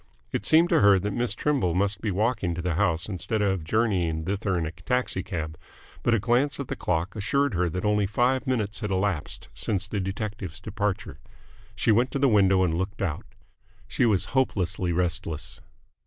It seemed to her that Miss Trimble must be walking to the house instead of journeying thither in a taxi cab. But a glance at the clock assured her that only five minutes had elapsed since the detective's departure. She went to the window and looked out. She was hopelessly restless.